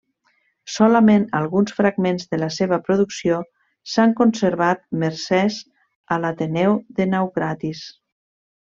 Solament alguns fragments de la seva producció s'han conservat mercès a Ateneu de Naucratis.